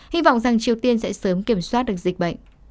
hy vọng rằng triều tiên sẽ sớm kiểm soát được dịch bệnh